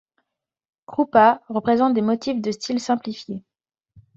Krupa représente des motifs de style simplifié.